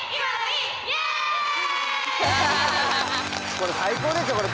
これ最高ですよこれ。